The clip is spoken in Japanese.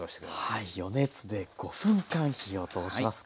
はい余熱で５分間火を通します。